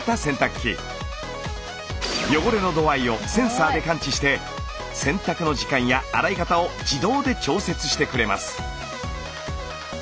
汚れの度合いをセンサーで感知して洗濯の時間や洗い方を自動で調節してくれます。